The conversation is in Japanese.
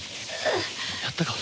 やったか？